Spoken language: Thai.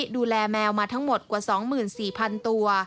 ดูแลแมวมาทั้งหมดกว่า๒๔๐๐๐ตัว